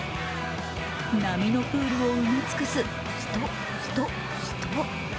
波のプールを埋め尽くす人、人、人。